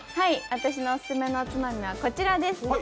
私のオススメのおつまみはこちらです。